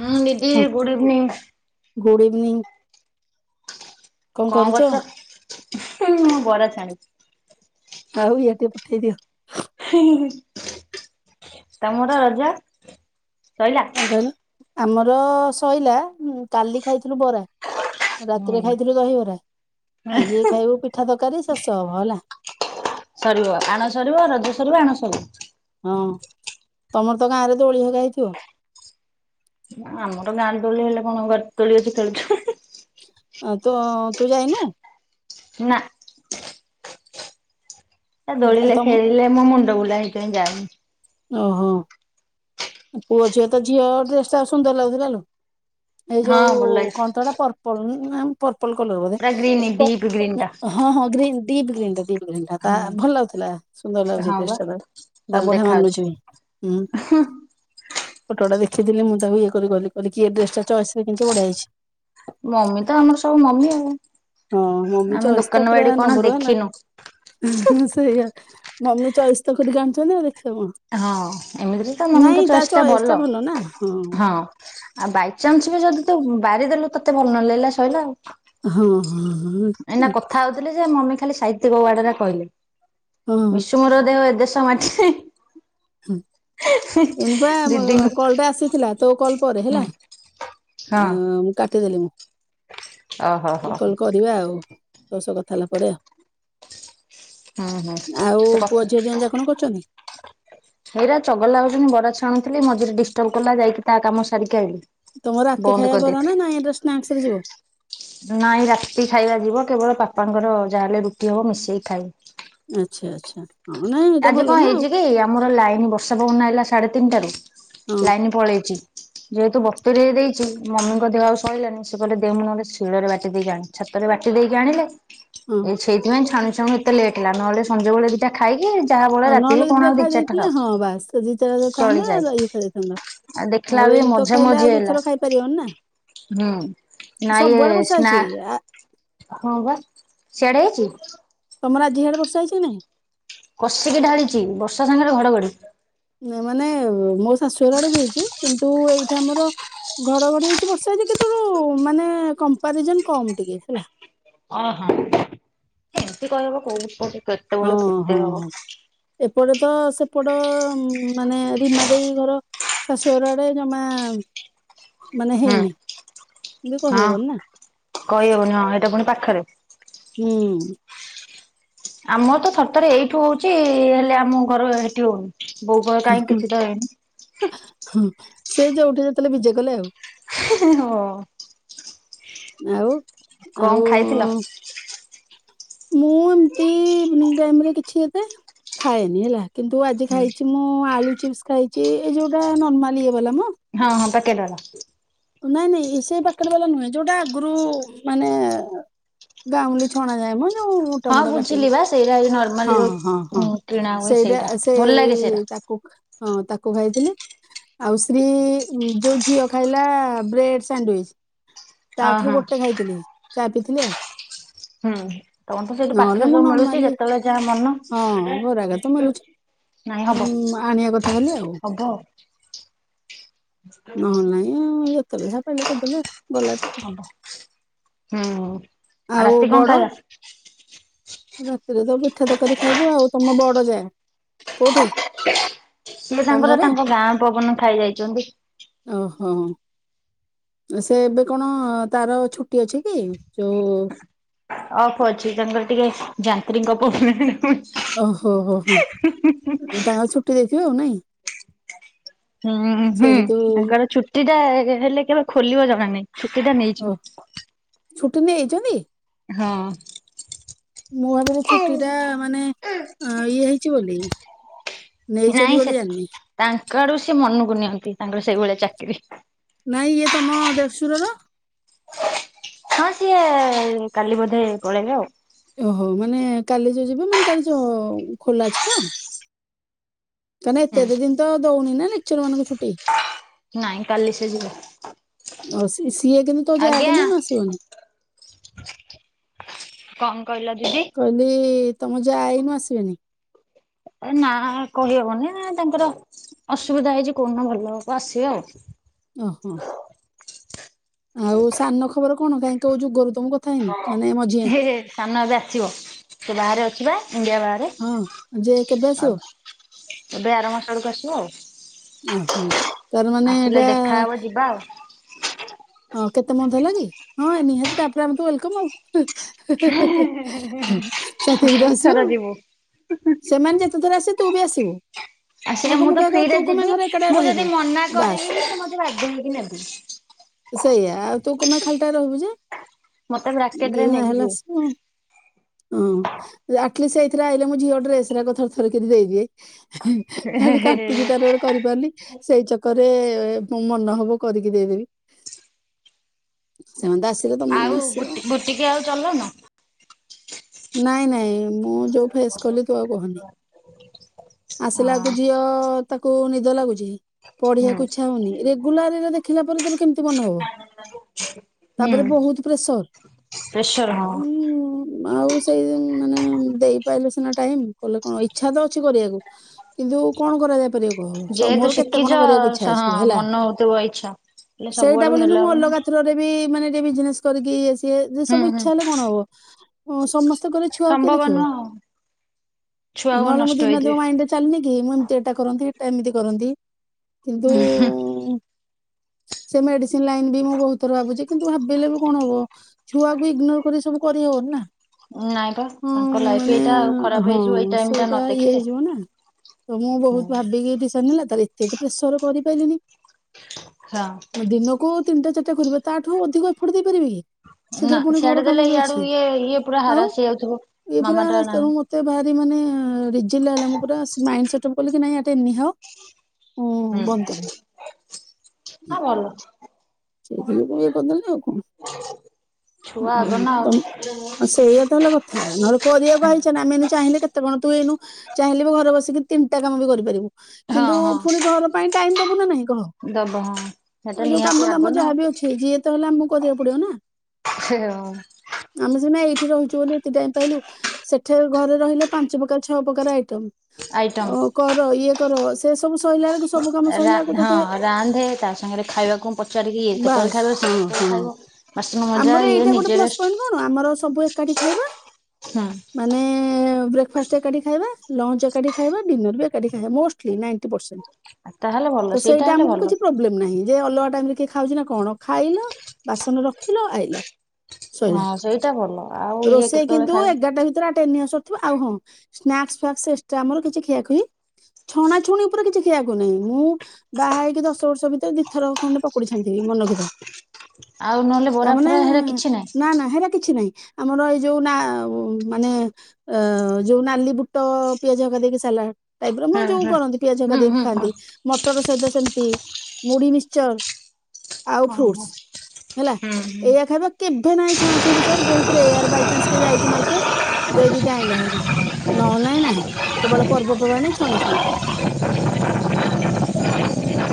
ହୁଁ ଦିଦି good evening. Good evening. କଣ କରୁଛ ମୁଁ ବରା ଛାଣିଛି। ଆଉ ଇଆଡେ ଟିକେ ପଠେଇ ଦିଅ। ତମର ରଜ ସଇଲା। କଣ କହିଲ ଆମର ଶଇଲା କାଲି ଖାଇଥିଲୁ ବରା। ରାତିରେ ହୁଁ ଖାଇଥିଲୁ ଦହିବରା ଆଜି ଖାଇବୁ ପିଠା ତରକାରୀ ଶେଷ ହବ ହେଲା। ସରିବ ଆଣ ସରିବ ରଜ ସରିବ ଆଣ ସରିବ। ହଁ ତମର ତ ଗାଁରେ ଦୋଳି ହେରିକା ହେଇଥିବ। ଆମର ଗାଁ ଦୋଳି ହେଲେ କଣ ଘରେ ଦୋଳି ଅଛି ଖେଳୁଛୁ? ତ ତୁ ଯାଇନୁ? ନା। ଏ ଦୋଳିରେ ତମ ଖେଳିଲେ ମୋ ମୁଣ୍ଡ ବୁଲାଏ ହେଥିପାଇଁ ଯାଏନି। ଓହୋ। ପୁଅ ଝିଅ ତ ଝିଅ ଡ୍ରେସଟା ସୁନ୍ଦର ଲାଗୁଥିଲା ଲୋ। ଏଇ ହଁ ଯୋଉ ଭଲ ଲାଗେ କଣତ ହେଇଟା ପର୍ପଲ କି [inaudible] ପର୍ପଲ କଲର ବୋଧେ ପୁରା ଗ୍ରୀନ ପ୍ ପ ଡିପ ଗ୍ରୀନ ଟା। ହଁ ହଁ ଗ୍ରୀନ୍ ଡିପ ଗ୍ରୀନ୍ ଟା। ତା ହଁ ଭଲ ଲାଗୁଥିଲା ସୁନ୍ଦର ଲାଗୁଛି ହଁ ବା ଡ୍ରେସଟା ଭଲ ତାକୁ ବଢିଆ ଦେଖାଯାଉଛି। ମାନୁଛି। ହୁଁ। ଫଟୋଟା ଦେଖିଥିଲି ମୁଁ ତାକୁ ଇଏ କରି କହିଲି କିଏ ଡ୍ରେସ ଚଏସରେ କିଣିଛି ବଢିଆହେଇଛି। ମମି ତ ଆମର ସବୁ ମମି ଆଉ। ହଁ ମମି ଆମେ ଚଏସ ତ ଦୋକାନ ପୁରା ବାଡି କଣ ନମ୍ବର ୱାନ ଦେଖିନୁ? ସେଇଆ। ମମି ଚଏସ୍ ତ କରିକି ଆଣିଛନ୍ତି ଆଉ ଦେଖିବ କଣ? ହଁ ଏମିତିରେ ତ ନାଇଁ ମମିଙ୍କ ତା ଚଏସ୍ ଟା ଚଏସଟା ଭଲ। ନା ହଁ। ଆଉ ବାଇଚାନ୍ସ ବି ଯଦି ତୁ ବାରିଦେଲୁ ତତେ ଭଲ ନ ଲାଗଲା ଶଇଲା ଆଉ ହଁ। ହଁ ହଁ। ଏଇନା କଥା ହଉଥିଲେ ଯେ ମମି ଖାଲି ସାହିତ୍ୟିକ ୱାଡରେ କହିଲେ? ହଁ ମିଶୁ ମୋର ଦେହ ଏ ଦେଶ ମାଟିରେ ହଁ ଏନପା ଦିଦିଙ୍କ କଲଟା ଆସିଥିଲା ତୋ କଲ ପରେ ହେଲା। ହୁଁ ହଁ ଅଁ ମୁଁ କାଟିଦେଲି ମୁଁ ଓହୋ ହୋ କହିଲି ହୁଁ କଲ କରିବା ଆଉ ତୋ ସହ କଥା ହେଲା ପରେ ଆଉ ହୁଁ ଆଉ ସେ କଥା ପୁଅ ଝିଅ ଦିଜଣଯାକ କଣ କରୁଛନ୍ତି? ହେଇରା ଚଗଲା ହଉଛନ୍ତି ବରା ଛାଣୁଥିଲି ମଝିରେ ଡିଷ୍ଟର୍ବ କଲା ଯାଇକି ତା କାମ ସାରିକି ଆଇଲି। ତମ ରାତି ବନ୍ଦ ଖାଇବା ବରାନା କରିଦେଇଥିଲି। ନାଇଁ ଏଟା ସ୍ନାକ୍ସରେ ଯିବ? ନାଇଁ ରାତି ଖାଇବା ଯିବ। କେବଳ ବାପାଙ୍କର ଯାହାଲେ ରୁଟି ହବ ମିଶେଇ ଖାଇ ଆଚ୍ଛା ଆଚ୍ଛା। ହଁ ନାଇଁ ଏଇଟା ଆଜି କଣ ଭଲ ନା ହେଇଛି ଆଉ। କି ଆମର ଲାଇନ ବର୍ଷା ପବନ ଆଇଲା ସାଢେ ତିନିଟାରୁ ହଁ ଲାଇନ ପଳେଇଛି। ଯେହେତୁ ବତୁରେଇ ଦେଇଛି ମମିଙ୍କ ଦେହ ଆଉ ସହିଲାନି ସେ କହିଲେ ଦେ ମୁୁଁ ନହେଲେ ଶିଳରେ ବାଟି ଦେଇକି ଆଣେ। ଛାତରେ ବାଟି ଦେଇକି ଆଣିଲେ। ହଁ। ଏଇ ସେଇଥିପାଇଁ ଛାଣଛୁଣି ଏତେ ଲେଟ୍ ହେଲା। ନହଲେ ସଞ୍ଜବେଳେ ଦିଟା ଖାଇକି ଯାହା ବଳେ ହଁ ନ ରାତିକୁ ଲଗେଇ କଣ ଦିଟା ଆଉ ଦି ଖାଇ ଚାରିଟା ଦେଇଥିଲେ ଖାଉ ହଁ ବାସ୍ ତ ଦିଟା ଯାକ ଥାନ୍ତା, ଚଳିଯାଏ ରଇ ହେଇ ଖାଇ ଦେଇଥାନ୍ତା। ଆଉ ଦେଖିଲା ବେଳୁ ଏ ମଝା ମଝି ହେଲା। ଖାଇପାରିବନି ନା ହୁଁ, ନା ଇଏ ସବୁଆଡେ ବର୍ଷା ସ୍ନା ହେଇଛି ଆ ହଁ ବା ସିଆଡେ ଅଚୁ? ତୋମର ଆଜି ସିଆଡେ ବର୍ଷା ହେଇଛି ନା ନାହି? କଷିକି ଢାଳିଚି ବର୍ଷା ସାଙ୍ଗରେ ଘଡଘଡି। ନେ ମାନେ ମୋ ଶାଶୁ ଘର ଆଡେ ବି ହେଇଛି। କିନ୍ତୁ ଏଇଠି ଆମର ଘଡଘଡି ହେଇଛି, ବର୍ଷା ହେଇଛି କେତେଳୁ ମାନେ କମ୍ପାରିଜନ୍ କମ ଟିକେ ହେଲା। ଓହୋ, ଏମତି କହି ହବ କୋଉ [unintelligible] ଅଁ, ହଁ। ଫୁଟେଇ ହବ ଏପଟେ ତ ସେପଟ ଉ, ମାନେ ରୀମା ଦେଇ ଘର ଶାଶୁ ଘର ଆଡେ ଜମା ମାନେ ହୁଁ ହେଇନି। ଏମତି ହଁ। କହିହବନି ନା। କହିହବନି ହଁ ଏଟା ପୁଣି ପାଖରେ। ହୁଁ। ଆମର ତ ସତରେ ଏଇଠୁ ହଉଛି ହେଲେ ଆମ ଘର ଏଠି ହଉନି। ବୋଉ କହିବ କାଇଁ କିଛି ତ ହେଇନି। ହୁଁ, ସେ ଯୋଉଠି ଯେତେଲେ ବିଜେ କଲେ ଆଉ। ହଁ। ଆଉ, କଣ ଆଉ ଖାଇଥିଲ? ମୁଁ ଏମିତି ମୁଁ ଟାଇମ୍ ରେ କିଛି ଏତେ ଖାଏନି ହେଲା। କିନ୍ତୁ ଆଜି ହୁଁ। ଖାଇଛି ମୁଁ ଆଳୁ ଚିପ୍ସ ଖାଇଛି, ଏଇ ଯୋଉଟା ନର୍ମାଲି ଇଏ ବାଲା ମୋ ହଁ, ହଁ ପକେଟ୍ ବାଲା। ନାଇଁ ନାଇଁ ଏ ସେ ପାକେଟ୍ ବାଲା ନୁହେଁ। ଯୋଉଟା ଆଗରୁ ମାନେ ଗାଉଁଲି ଛଣା ଯାଏ ମୋ ଯୋଉ ହଁ ମୁଟାମୁଟା ବୁଝିଲି କାଟିକି। ବା ସେଇଟା ଏଇ ନର୍ମାଲି ହଁଁ, ଯୋଉ ହଁ, ହଁ। ଉଁ କିଣା ହୁଏ ସେଇଟା ଏ ଭଲ ଲାଗେ ସେଇଟା ସେଇ ତା କୁ ହଁ ତାକୁ ଖାଇଥିଲି, ଆଉ ଶ୍ରୀ ଉଁ, ଯୋଉ ଝିଅ ଖାଇଲା ହଁ ବ୍ରେଡ୍ ସାଣ୍ଡୱିଇଜ୍ ତା ଅହଁ ଥ୍ରୁ ଗୋଟେ ଖାଇଥିଲି, ଚା ପିଇଥିଲି ଆଉ। ହଁ, ତୋମ ତ ସେଇଠୁ ନହେଲେ ପାଖରେ ମୁଁ ସବୁ ମିଳୁଚି ନର୍ମାଲି ଯେତେବେଳେ ଯା ମନ ହଁ ଘର ଆଗରେ ତ ମିଳୁଛି ନାଇଁ ଉଁ, ହବ, ଆଣିବା କଥା ଖାଲି ଆଉ ହବ। ନହେନ ନାଇଁ ଆଉ ଯେତେବେଳେ ଯାହା ପାଇଲେ କରିଦେଲେ ଗଲା ତ। ହଁ। ଆଉ ବଡ? ରାତିରେ ତ ପିଠା ତରକାରୀ ଖାଇବୁ ଆଉ, ତୋମ ବଡ ଯା କୋଉଠି? ସିଏ ସାଙ୍ଗର ତାଙ୍କ ଗାଁ ପବନ ଖାଇ ଯାଇଚନ୍ତି। ଓହୋ! ଏ ସେ ଏବେ କଣ ତାର ଛୁଟି ଅଛି କି? ଯୋଉ ଅଫ୍ ଅଛି ତାଙ୍କର ଟିକେ ଯାନ୍ତ୍ରୀଙ୍କ ପ୍ରୋବ୍ଲେମେ ପଚ୍ ଓହୋ, ହୋ ହଁ ତାଙ୍କ ଛୁଟି ଦେଇଥିବ ନାଇଁ? ହୁଁ, ସେ ହୁଁ ହେତୁ [inaudible] ସେଇଟା ଯେ ହେଲେ କେବେ ଖୋଲିବ ଜଣା ନାହିଁ, ଛୁଟି ଟା ଓ ନେଇଛନ୍ ଛୁଟି ନେଇଛନ୍ତି? ହଁ। ମୁଁ ଭାବିନି ଛୁଟି ଟା ମାନେ ଅଁ, ଇଏ ହେଇଛି ବୋଲି। ନେଇଛନ୍ତି ନାଇଁ ବୋଲି ସେ ଜାଣିନି ତାଙ୍କ ଆଡୁ ସିଏ ମନକୁ ନିଅନ୍ତି ତାଙ୍କର ସେଇଭଳିଆ ଚାକିରି। ନାଇଁ ଇଏ ତମ ଦେଢ଼ସୁରର? ହଁ ସିଏ କାଲି ବୋଧେ ପଳେଇଲେ ଆଉ ଓହୋ ମାନେ କାଲି ଯୋଉ ଯିବ ମାନେ ତାର ଯୋଉ ଖୋଲା ଅଛି ତ? ତାନେ ଏତେ ହୁଁ ଏତେ ଦିନ ତ ଦଉନି ନା ଲେକ୍ଚର୍ ମାନଙ୍କୁ ଛୁଟି ନାଇଁ କାଲି ସେ ଯିବେ ଅ ସିଏ ସିଏ କିନ୍ତୁ ତୋ ଯା ଆଜ୍ଞା କିନ୍ତୁ ଏଇନା ଆସିବନି? କଣ କହିଲ ଦିଦି? କହିଲି ତମ ଯା ଏଇନୁ ଆସିବେନି? ଏ ନା କହିହବନି ତାଙ୍କର ଅସୁବିଧା ହେଇଛି କୋଉଦିନ ଭଲ ହବ ଆସିବେ ଆଉ। ଓହୋ ଆଉ ସାନ ଖବର କଣ କାହିଁ କୋଉ ଯୁଗରୁ ତମକୁ ହେ ସାନ ଏବେ ଆସିବ ସେ ବାହାରେ ଅଛି ପରା ଇଣ୍ଡିଆ ବାହା ରେ ହଁ ଯେ କେବେ ଆସିବ ଏବେ ଆର ମାସ ବେଳକୁ ଆସିବ ଓହୋ ଆଉ। ତାର ମାନେ ଆସିଲେ ଏଇଟା ଦେଖାହବ ଯିବା ଆଉ। ହଁ କେତେ ମନ୍ଥ ହେଲା କି ହଁ ନିହାତି ତାପରେ ଅପରେ ୱେଲ୍ କମ୍ ଆଉ [unintelligible] ବହୁତ ଆସିବ ଥର ଆଉ ଯିବୁ ସେମାନେ ଯେତେଥର ଆସିବେ ତୁ ବି ଆସିବୁ। ଆ ସେ କହ- ମୁଁ ତ କହିବା କଥା, ତୁ ଫ୍ରିରେ କଣ ପାଇଁ ଯିବି ଘରେ ଏକାଟିଆ ମୁଁ ରହିବୁ ଯଦି ମନା ବାସ୍ କରିବି ବି ସେ ମତେ ବାଧ୍ୟ ହେଇକି ନେବେ। ସେଇଆ ଆଉ ତୁ କଣ ପାଇଁ ଖାଲିଟାରେ ରହିବୁ ଯେ ମତେ ବ୍ରାକେଟ ରେ ନେଇକି ଯିବେ। [unintelligible] ହଁ ଆଟଲିଷ୍ଟ ସେଇଥିରେ ଅଇଲେ ମୋ ଝିଅ ଡ୍ରେସ୍ ଗୁରାକ ଥର ଥରକିରି ଦେଇଦିଏ। ହେ ଖାଲି ହେ ହେ। କାଟିଛି ତାର ଗୋଟେ କରିପାରୁନି ସେଇ ଚକ୍କର୍ ରେ ମନ ହବ କରିକି ଦେଇଦେବି। ସେମାନେ ତ ଆସିଲେ ତମ ମାନେ ଆସିବ ଆଉ। ଦେ ଆଉ ଚଲଉନ? ନାଇଁ ନାଇଁ ମୁଁ ଯୋଉଠୁ ଫେସ୍ କଲି ତୁ ଆଉ କହନି ଆସିଲାକୁ ହଁ। ଝିଅ ତାକୁ ନିଦ ଲାଗୁଛି ହୁଁ ପଢ଼ିବାକୁ ଇଚ୍ଛା ହଉନି ରେଗୁଲାର ଏରେ ଦେଖିଲା ପରେ ତୋର କେମିତି ମନ ହବ? ହୁଁ ତାପରେ ବହୁତ ପ୍ରେସର ପ୍ରେସର ଉ ହଁ। ଆଉ ସେଇ ମାନେ ଦେଇପାଇଲେ ସିନା ଟାଇମ୍ କଲେ କଣ ଇଛା ତ ଅଛି କରିବାକୁ। କିନ୍ତୁ କଣ କରାଯାଇ ପାରିବ କହ ଯେହେତୁ ମୋର କେତେ ଶିଖିଛ କଣ କରିବାକୁ ଇଛା ହଁ ଅଛି ହେଲା ମନ ହଉଥିବ ଇଚ୍ଛା। ହେଲେ ସବୁ ସେଇଟା ଆଡକୁ ବୋଲିନୁ ହେଲେ ମୁଁ ହବ ନା ଅଲଗା ଥ୍ରୋ ପରେ ବି ମାନେ ଯେ ବିଜନେସ୍ କରିକି ଇଏ ସିଏ ଯେ ହୁଁ ସବୁ ହୁଁ ଇଛା ହେଲେ କଣ ହବ ଉଁ ସମ କର ଛୁଆକୁ କିଏ ସମ୍ଭବ ଦେଖିବ ନୁହଁ ଆଉ। ଛୁଆକୁ ନହଲେ ମୁଁ ନଷ୍ଟ ଦିନ ରାତି ହେଇଯିବେ। ମୋ ମାଇଣ୍ଡ ରେ ଚାଲିନି କି, ମୁଁ ଏମତି ଏଟା କରନ୍ତି ହେଟା ଏମିତି କରନ୍ତି କିନ୍ତୁ? ସେ ମେଡିସିନ ଲାଇନ୍ ବି ମୁଁ ବହୁତ ଥର ଭାବୁଛି। କିନ୍ତୁ ଭାବିଲେ ବି କଣ ହବ? ଛୁଆ କୁ ଇଗ୍ନୋର କରି ସବୁ କରିହବନି ନା। ନାଇଁ ପା ହଁ ତାଙ୍କ ଲାଇଫ୍ ମାନେ ଏଇଟା ଆଉ ଖରାପ ହଁ ହେଇଯିବ ଏଇ ଟାଇମ୍ ଟା ସେଇଟା ନ ଇଏ ଦେଖିଲେ। ହେଇଯିବ ନା। ତ ମୁଁ ବହୁତ ହୁଁ। ଭାବିକି ଏଠି ସାଙ୍ଗିଲା ତାହେଲେ ଏତେ ବି ପ୍ରେସର କରିପାରିଲିନି। [unintelligible] ଦିନକୁ ତିନିଟା ଚାରିଟା କରିବ, ତାଠୁ ଅଧିକ ଏଫର୍ଟ ଦେଇପାରିବେ କି, ନା ସେଥିରେ ପୁଣି ସିଆଡେ ଘର ଦେଲେ କାମ ବି ଇଆଡୁ ଅଛି। ଇଏ ଇଏ ପୁରା ଆଉ ହାରାସ ହେଇଯାଉଥିବ ମାମା ଏଗୁରା ଟା ରାସ୍ତ ନାହିଁ। ର ମ ତ ଭାରି ମାନେ ରିଜିନା ହେଲା। ମୁଁ ପୁରା ମାଇଣ୍ଡ ସେଟ୍ ଅପ୍ କଲି କି ନାଇଁ ଏଟା ନିହ ହୁଁ ନା ଭଲ। ସେଇଥି ଯୋଗୁ ଇଏ କରିଦେଲେନି ଆଉ କଣ? ଛୁଆ ଆଗ ନା ଆଉ ତମ ଉ ସେଇଆ ତ ହେଲା କ ଥା ନହେଲେ କରିବାକୁ ଆଇଛ ନା ଆମେନୁ ଚାହିଁଲେ କେତେ କଣ ତୁ ଏଇନୁ ଚାହିଁଲେ ବି ଘରେ ବସିକି ତିନିଟା କାମ ବି କରିପାରିବୁ। କିନ୍ତୁ ହଁ ପୁଣି ହଁ ଘର ପାଇଁ ଟାଇମ ଦବୁ ନା ନାହିଁ କହ ଦବ ହଁ। ସେଟା ଆଉ ଯୋଉ ନିହାତି କାମ ଆଗ ଦାମ ନା ଯାହାବି ଅଛି ଯିଏ ତ ହେଲା ଆମକୁ କରିବାକୁ ପଡିବ ନା। ହଁ। ଆମେ ସିନା ଏଇଠି ରହୁଛୁ ବୋଲି ଏତେ ଟାଇମ ପାଇଲୁ। ସେଠି ଘରେ ରହିଲେ ପାଞ୍ଚ ପ୍ରକାର ଛଅ ପ୍ରକାର ଆଇଟମ। ଆଇଟମ୍। ଅ କର ଇଏ କର ସେ ସବୁ ସଇଲା ବେଳକୁ ସବୁ କାମ ସରିଲା ବେଳକୁ ତୋତେ ରାନ୍ଦେ ପାଞ୍ଚ ସାଙ୍ଗରେ ଖାଇବାକୁ ମୁଁ ପଚାରିକି ଇଏ କେତେବେଳେ ବାସ୍ ଖାଇବ ସେ ହଁ କେତେବେଳେ ହଁ ଖାଇବ ବାସନ ମଜା ଆମର ଇଏ ଏଇଟା ଗୋଟେ ନିଜ ପ୍ଲସ ପଏଣ୍ଟ ରେଷ୍ଟ। କଣ ଆମର ସବୁ ଏକାଠି ଖାଇବା। ହୁଁ। ମାନେ ବ୍ରେକ୍ଫାଷ୍ଟ ଏକାଠି ଖାଇବା ଲଞ୍ଚ ଏକାଠି ଖାଇବା ଡିନର୍ ବି ଏକାଠି ଖାଇବା ମୋଷ୍ଟଲି ନାଇଣ୍ଟି ପରସେଣ୍ଟ। ଆ ତାହେଲେ ଭଲ ସେଇଟା ହେଲେ ଭଲ। ପ୍ରବ୍ଲେମ୍ ନାହିଁ ଯେ ଅଲଗା ଟାଇମରେ କିଏ ଖାଉଛି ନା କଣ ଖାଇଲ ବାସନ ରଖିଲ ଆଇଲ। ଶଇଲା ହଁ ସେଇଟା ଭଲ ଆଉ ଇଏ ରୋଷେଇ କେତେବେଳେ କିନ୍ତୁ ଖାଇବ ଏଗାରଟା ଭିତରେ ଆ ସରିଥିବ ଆଉ ହଁ ସ୍ନାକ୍ସ୍ ଫ୍ନାକ୍ସ୍ ଏକ୍ସଟ୍ରା ଆମର କିଛି ଖିଆଖୁଈ ଛଣା ଛୁଣି ଉପରେ କିଛି ଖିଆ ଖୁଇ ନାହିଁ ମୁଁ ବାହା ହେଇକି ଦଶ ବର୍ଷ ଭିତରେ ଦିଥର ଖଣ୍ଡେ ପକ୍ ପକୁଡି ଛାଣିଥିବି ମନେ ରଖିଥା ଆଉ ନହେଲେ ବରା ତାମାନେ ଫରା ହେରା କିଛି ନାହିଁ। ନା ନା ହେରା କିଛି ନାହିଁ। ଆମର ଏଇ ଯୋଉ ନା ମାନେ ଅ ଯୋଉ ନାଲି ବୁଟ ପିଆଜ ହକା ଦେଇକି ସାଲାଟ। ଟାଇପ ର ମାନ ହୁଁ ଯୋଉ ହୁଁ କରନ୍ତି ପିଆଜ ହକା ହୁଁ ଦେଇକି ହୁଁ ଖାଆନ୍ତି ହୁଁ ମଟର ସହିତ ସେମିତି ମୁଢ଼ି ମିିକ୍ଚର। ଆଉ ଫ୍ରୁଟସ୍ ହଁ ହେଲା ହଁ। ଏଇଆ ଖାଇବା। କେବେ ନାଇଁ ଛୁଆଁଛଇଁ ବି ସର ବହୁତ ରେୟାର ବାଇଚନ୍ସ ଯାଇଛି ମାର୍କେଟ ଯଦି ଦିଟା ଆଣିଲା ଭାରି। ନହେଲେ ନାହିଁ କେବଳ ପର୍ବପର୍ବାଣିୀ ଛଣାଛୁଣି।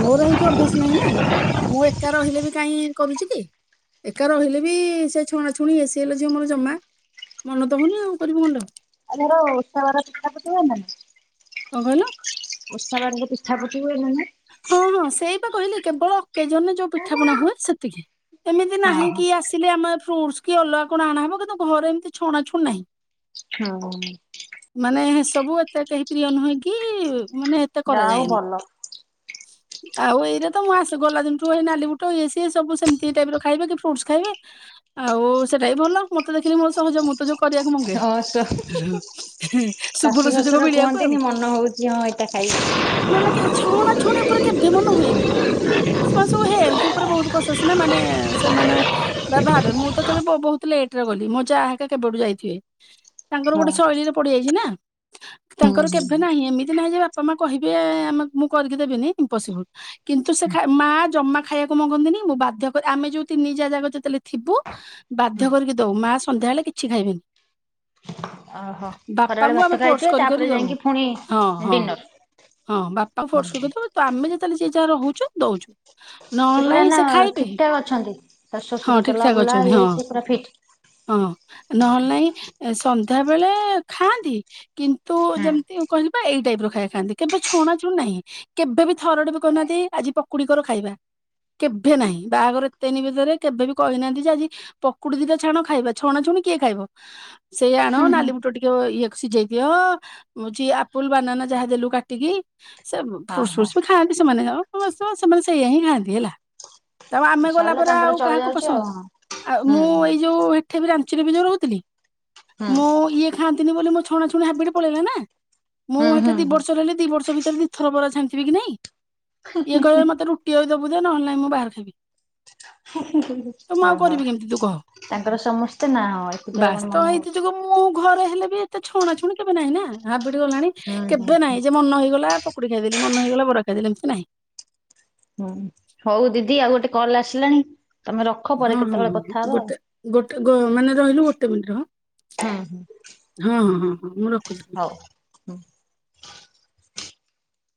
ମୋର ହେଇତି ଅଭ୍ୟାସ ନାହିଁ ନା। ମୁଁ ଏକା ରହିଲେ ବି କାଇଁ କରୁଛି କି? ଏକା ରହିଲେ ବି ସେ ଛୁଣାଛୁଣି ଇଏ ସିଏ ହେଲ ଝିଅ ମୋର୍ ଜମା ମନ ତ ହଉନି ଆଉ କରିବି କଣ୍ଟେ ଆଉ। ଆ ଯାହାର ଓଷା ବାର ପିଠା ପୁଠୀ ହୁଏ ନାଇଁ। କଁ କହିଲ। ଓଷା ବାରରେ ପିଠା ପୁଠୀ ହୁଏ ନା ନାଇଁ। ହଁ ହଁ ସେଇ ବା କହିଲି କେବଳ ଅକେଜନ ରେ ଯୋଉ ପିଠାପଣା ହୁଏ ସେତିକି। ଏମିତି ନାହିଁ କି ଆସ ଲେ ଆମେ ଫ୍ରୁଟ୍ସ୍ କି ଅଲଗା କଣ ଆଣା ହେବ କିନ୍ତୁ ଘରେ ଏମିତି ଛଣା ଛୁଣୀ ନାହିଁ। ହୁଁ। ମାନେ ସବୁ ଏତେ କେହି ପ୍ରିୟ ନୁହେଁ କି ମାନେ ଯାହା ହଉ ଭଲ। ହଁ ଆଉ ଏଇରେ ତ ମୁଁ ଆ ଗଲା ଦିନ ଠୁଇ ନାଲି ବୁଟ ଇଏ ସିଏ ସବୁ ସେମିତି ଟାଇପ୍ ର ଖାଇବେ କି ଫ୍ରୁଟ୍ସ ଖାଇବେ। ଆଉ ସେଇଟା ବି ଭଲ ମତେ ଦେଖିଲି ମୋର ସହଜ ମତେ ଯୋଉ କରିବାକୁ ମଙ୍ଗେ ଅ ଶ ସୁବୁଣ୍ଣ ସୁଯୋଗ ମିଳିବାକୁ ଆଉ। ଯେ ହଁ ଏଇଟା ଖାଇବି। ଛନା ଛୁଣୀ ଉପରେ କେବେ ମନ ହୁଏନି। ସେମାନେ ସବୁ ହେଲଥ୍ ଉପରେ ବହୁତୁ କସସ୍ ନା ମାନେ ସେମାନେ ବା ଭାବେ ମୁଁ ତ କେବେ ବହୁତୁ ଲେଟ୍ ରେ ଗଲି, ମୋ ଜା ହେଇକା କେବେଠୁ ଯାଇଥିବେ। ତାଙ୍କର ହଁ ଗୋଟେ ଶୈଳୀରେ ପଡିଯାଇଚି ନା। ହୁଁ ତାଙ୍କର ହୁଁ କେବେ ନାହିଁ ଏମିତି ନାହିଁ ଯେ ବାପା ମା କହିବେ ଆମେ ମୁଁ କରିକି ଦେବିନି ଇମ୍ପସିବୁଲ୍। କିନ୍ତୁ ସେ ଖା ମା ଜମା ଖାଇବାକୁ ମଙ୍ଗନ୍ତିନି, ମୁଁ ବାଧ୍ୟ ଆମେ ଯୋଉ ତିନି ଜା ଜାକ ଯେତେଲେ ଥିବୁ ବାଧ୍ୟ ହୁଁ କରିକି ଦଉ, ମା ସନ୍ଧ୍ୟା ହେଲେ କିଛି ଖାଇବେନି। ଓହୋ ଖରାବେଳେ ବାପାଙ୍କୁ ଭାତ ଆମେ ଫୋର୍ସ ଖାଇଥିବେ ତାପରେ କରି-କରି ଦଉ ଯାଇକି ପୁଣି ହଁ-ହଁ। ଡିନର ହଁ ବାପାଙ୍କୁ ଫୋର୍ସ [unintelligible] ତ ଆମେ ଯେତେଲେ ଯିଏ ଯାହା ରହୁଚୁ ଦଉଚୁ। ନହେଲେ ପୁରା ନାଇଁ ନା ସେ ଖାଇବେ, ଠିକ ଠାକ ଅଛନ୍ତି ଶାଶୁ ଶ୍ୱଶୁର ହଁ ଠିକ୍ ଚଲା ଠାକ୍ ବୁଲା ଅଛନ୍ତି ଇଏ ହଁ। ସିଏ ପୁରା ଫିଟ୍। ହଁ ନହେଲେ ନାଇଁ ସନ୍ଧ୍ୟା ବେଳେ ଖାଆନ୍ତି। କିନ୍ତୁ ହଁ ଯେମ୍ତି କହିଲି ବା ଏଇ ଟାଇପ୍ ର ଖାଇଆ ଖାଆନ୍ତି, କେବେ ଛଣା ଛ [unintelligible] ନାହିଁ କେବେ ବି ଥରଟେ ବି କହୁନାହାନ୍ତି ଆଜି ପକୁଡିି କର ଖାଇବା। କେଭେ ନାହିଁ, ବାହାଘର ଏତେ ଦିନି ଭିତରେ କେବେ ବି କହିନାହାନ୍ତି ଯେ ଆଜି ପକୁଡି ଦିଟା ଛାଣ ଖାଇବା, ଛଣା ଛୁଣି କିଏ ଖାଇବ। ସେଇ ଆଣ ନାଲି ବୁଟ ଟିକେ ଇଏକୁ ସିଜେଇ ଦିଅ [unintelligible] ଆପୁଲ୍ ବାନାନା ଯାହା ଦେଲୁ କାଟିକି ସେ ହଁ ଫ୍ରୁଟ୍ ହଁ ଫ୍ରୁଟ୍ସ ବି ଖାଆନ୍ତି ସେମାନେ ସେମାନେ ସେଇଆ ହିଁ ଖାଆନ୍ତି ହେଲା। ତାଉ ଆମେ ଗଲା ସରିଲା ପରେ ତାଙ୍କର ଆଉ ଚଳି କାହାକୁ ଯାଉଛି ପସନ୍ଦ ଆଉ ହଁ ଆଉ ହୁଁ ମୁଁ ହୁଁ ଏଇ ଯୋଉ ଏଠି ବି ରାଞ୍ଚିରେ ବି ଯୋଉ ରହୁଥିଲି, ହୁଁ। ମୁଁ ଇଏ ଖାଆନ୍ତିନି ବୋଲି ମୋ ଛଣାଛଣି ହାବିଟି ପଳେଇଲା ନା। ମୁଁ ହୁଁ ହେଠି ହୁଁ ଦି ହୁଁ ବର୍ଷ ରହିଲି ଦି ବର୍ଷ ଭିତରେ ଦି ଥର ବରା ଛାଣିଥିବି କି ନାଇଁ, ଇଏ କହିବେ ମତେ ରୁ ଟି ଦେବୁ ଦେ ନହେଲେ ନାଇଁ ମୁଁ ବାହାରେ ଖାଇବି। ଓହୋ ତ ମୁଁ ଆଉ କରିବି କେମିତି ତୁ କହ। ତାଙ୍କର ସମସ୍ତେ ନାହଁ [unintelligible] ବାସ୍ତ ମନ ହେଇଥି ହଉଛି। ଯୋଗୁ ମୁଁ ଘରେ ହେଲେ ବି ଏତେ ଛଣାଛୁଣି କେବେ ନାହିଁ ନା ହାବିଟି ଗଲାଣି ହୁଁ ହୁଁ। କେବେ ନାଇଁ ଯେ ମନ ହେଇଗଲା ପ କୁଡ଼ି ଖାଇଦଲି ମନ ହେଇଗଲା ବରା ଖାଇଦେଲି ଏମ୍ତି ନାହିଁ। ହଉ ଦିଦି ଆଉ ଗୋଟେ କଲ୍ ଆସିଲାଣି ତମେ ରଖ ହଁ ପରେ ହଁ ହଁ କେତବଳେ ହଁ କଥା ହବା ଆଉ। ଗୋଟେ ଗୋଟେ ମାନେ ରହିଲୁ ଗୋଟେ ମିନ୍ଟି ରହ। ହୁଁ-ହୁଁ। ହଁ-ହଁ-ହଁ-ହଁ ମୁଁ ରଖୁଚି। ହଉ।